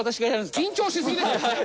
緊張しすぎです。